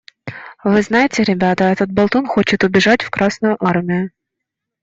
Вы знаете, ребята, этот болтун хочет убежать в Красную Армию!